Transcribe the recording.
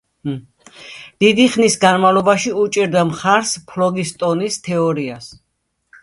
დიდი ხნის განმავლობაში უჭერდა მხარს ფლოგისტონის თეორიას.